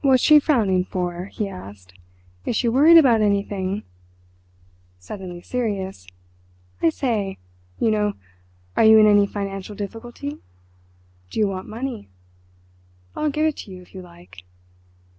"What's she frowning for?" he asked. "Is she worried about anything?" Suddenly serious: "I say—you know, are you in any financial difficulty? Do you want money? I'll give it to you if you like!"